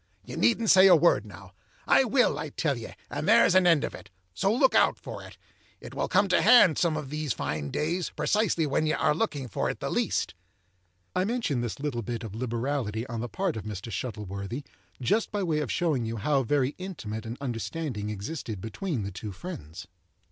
—ye needn't say a word now—I will, I tell ye, and there's an end of it; so look out for it—it will come to hand some of these fine days, precisely when ye are looking for it the least!" I mention this little bit of liberality on the part of Mr. Shuttleworthy, just by way of showing you how very intimate an understanding existed between the two friends.